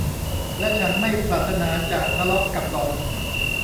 และฉันไม่ปรารถนาจะทะเลาะกับหล่อน